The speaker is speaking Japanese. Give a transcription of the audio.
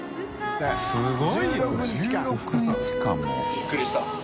びっくりした？